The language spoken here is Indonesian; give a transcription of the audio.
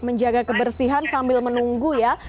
menjaga kebersihan sambil menunggu ya